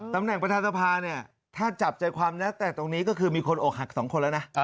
ตำแหน่งประธานสภาถ้าจับใจความแต่ตรงนี้ก็คือมีคนโอขัก๒คนแล้วนะ